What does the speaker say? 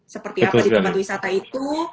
seperti apa di tempat wisata itu